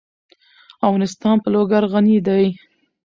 افغانستان په لوگر غني دی.